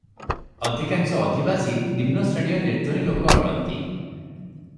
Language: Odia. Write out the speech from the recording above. ଅଧିକାଂଶ ଅଧିବାସୀ ନିମ୍ନଶ୍ରେଣୀୟ ନିର୍ଦ୍ଧନୀ ଲୋକ ଅଟନ୍ତି |